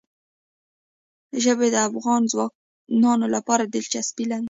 ژبې د افغان ځوانانو لپاره دلچسپي لري.